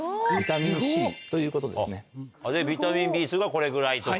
ビタミンＢ２がこれぐらいとか。